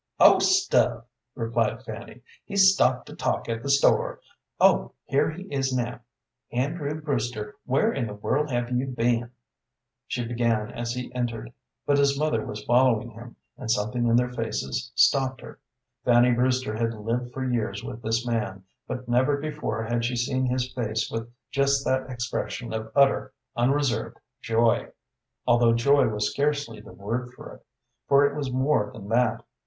"Oh, stuff!" replied Fanny. "He's stopped to talk at the store. Oh, here he is now. Andrew Brewster, where in the world have you been?" she began as he entered; but his mother was following him, and something in their faces stopped her. Fanny Brewster had lived for years with this man, but never before had she seen his face with just that expression of utter, unreserved joy; although joy was scarcely the word for it, for it was more than that.